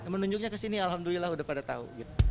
menunjuknya kesini alhamdulillah udah pada tahu